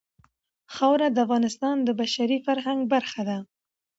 خاوره د افغانستان د بشري فرهنګ برخه ده.